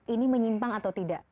ini menyimpang atau tidak